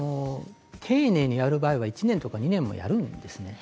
丁寧にやる場合は１年とか２年やるんですね。